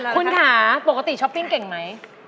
คุณค่ะปกติช้อปปิ้งเก่งไหม